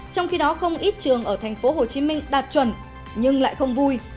trong khi đó không ít trường ở tp hcm đạt chuẩn nhưng lại không vui